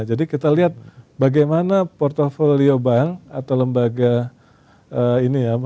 jadi kita lihat bagaimana portfolio bank atau lembaga ini ya